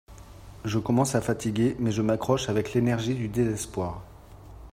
Je commence à fatiguer mais je m'accroche avec l'énergie du désespoir